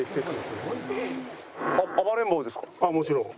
もちろん。